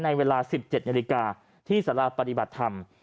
ในเวลา๑๗นาฬิกาที่สาราปฏิบัติธรรม